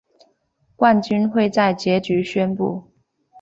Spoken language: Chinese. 冠军会在结局宣布。